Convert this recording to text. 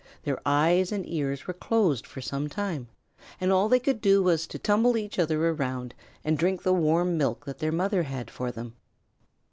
Their eyes and ears were closed for some time, and all they could do was to tumble each other around and drink the warm milk that their mother had for them.